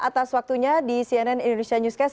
atas waktunya di cnn indonesia newscast